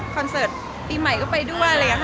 คอนเสิร์ตปีใหม่ก็ไปด้วย